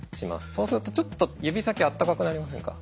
そうするとちょっと指先あったかくなりませんか？